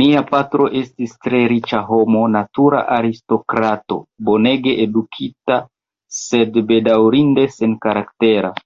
Mia patro estis tre riĉa homo, natura aristokrato, bonege edukita, sed bedaŭrinde senkaraktera.